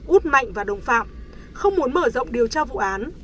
út mạnh và đồng phạm không muốn mở rộng điều tra vụ án